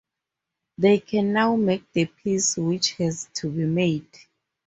They can now make the peace which has to be made.